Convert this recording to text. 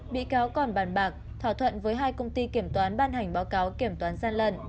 bị cáo còn bàn bạc thỏa thuận với hai công ty kiểm toán ban hành báo cáo kiểm toán gian lận